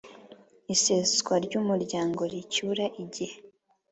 Iseswa ry umuryango ricyura igihe